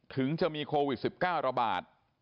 ถึงจะมีโควิด๑๙ระบาด